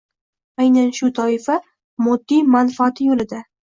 Aynan shu toifa moddiy manfaati yo‘lida